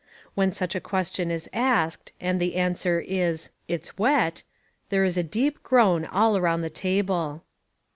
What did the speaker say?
When such a question is asked and the answer is "It's wet," there is a deep groan all around the table.